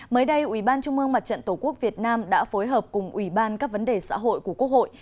mới đây ủy ban trung mương mặt trận tổ quốc việt nam đã phối hợp cùng ủy ban các vấn đề xã hội của quốc hội